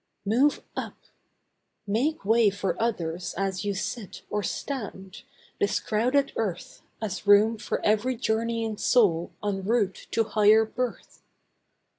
'Move up!' Make way for others as you sit Or stand. This crowded earth Has room for every journeying soul En route to higher birth.